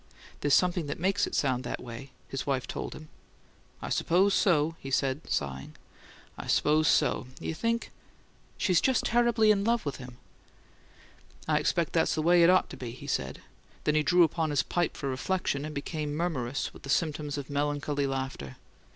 "There's something that makes it sound that way," his wife told him. "I suppose so," he said, sighing. "I suppose so. You think " "She's just terribly in love with him!" "I expect that's the way it ought to be," he said, then drew upon his pipe for reflection, and became murmurous with the symptoms of melancholy laughter.